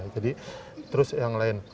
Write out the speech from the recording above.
jadi terus yang lain